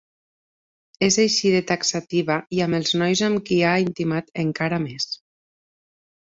És així de taxativa i amb els nois amb qui ha intimat encara més.